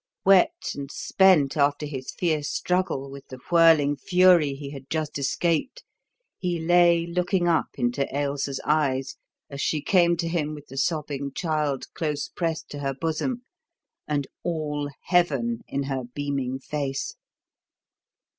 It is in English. Wet and spent after his fierce struggle with the whirling fury he had just escaped, he lay looking up into Ailsa's eyes as she came to him with the sobbing child close pressed to her bosom and all heaven in her beaming face.